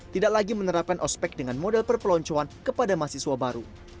tidak lagi menerapkan ospek dengan model perpeloncoan kepada mahasiswa baru